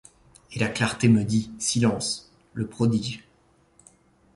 Et la clarté me dit : silence. Le prodige